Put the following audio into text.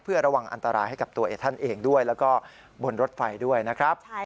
เพื่อระวังอันตรายให้กับตัวท่านเองด้วยแล้วก็บนรถไฟด้วยนะครับ